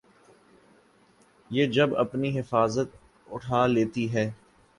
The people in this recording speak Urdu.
یہ جب اپنی حفاظت اٹھا لیتی ہے۔